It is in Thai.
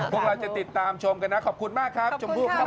พวกเราจะติดตามชมกันนะขอบคุณมากครับชมพู่ครับ